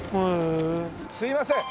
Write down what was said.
すみません。